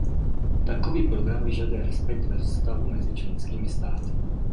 Takový program vyžaduje respekt ve vztahu mezi členskými státy.